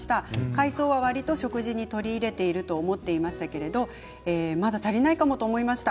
海草はわりと食事に取り入れていると思っていましたけれどまだ足りないかもと思いました。